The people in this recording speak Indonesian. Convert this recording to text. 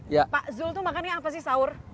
pak zul itu makan yang apa sih saur